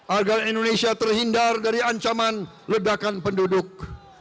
agar indonesia terhindar dari ancaman ledakan penduduk